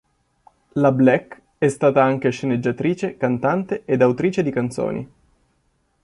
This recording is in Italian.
La Black è stata anche sceneggiatrice, cantante ed autrice di canzoni.